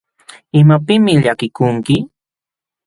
¿Imapiqmi llakikunki?